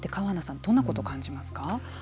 どんなことを感じますか。